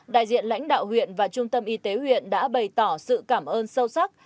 đại diện lãnh đạo huyện và trung tâm y tế huyện đã bày tỏ sự cảm ơn sâu sắc